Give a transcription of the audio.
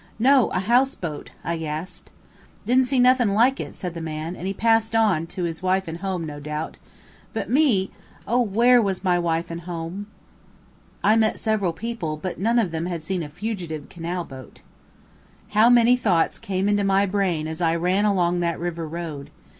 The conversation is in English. "No, a house boat," I gasped. "Didn't see nuthin' like it," said the man, and he passed on, to his wife and home, no doubt. But me! Oh, where was my wife and my home? I met several people, but none of them had seen a fugitive canal boat. How many thoughts came into my brain as I ran along that river road!